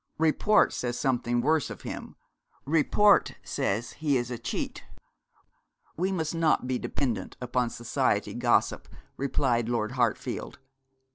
'Report says something worse of him. Report says he is a cheat.' 'We must not be dependent upon society gossip,' replied Lord Hartfield.